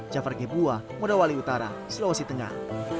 jafar g buah modawali utara sulawesi tengah